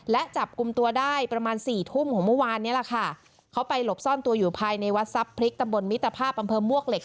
และจับกลุ่มตัวได้ประมาณสี่ทุ่มของเมื่อวานนี้แหละค่ะเขาไปหลบซ่อนตัวอยู่ภายในวัดทรัพย์พริกตำบลมิตรภาพอำเภอมวกเหล็ก